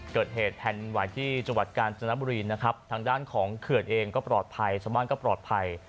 เกิดเหตุแผ่นวายที่จังหวัดกาญจนบุรีนะครับทางด้านของเขื่อนเองก็ปลอดภัยชาวบ้านก็ปลอดภัย